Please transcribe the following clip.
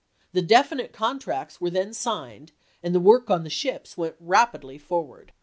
The definite contracts were then signed and the work on the ships went rapidly forward.